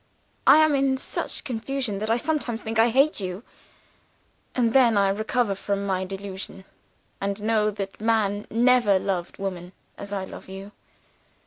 I am in such confusion that I sometimes think I hate you. And then I recover from my delusion, and know that man never loved woman as I love you.